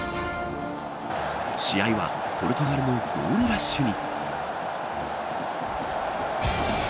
試合はポルトガルのゴールラッシュに。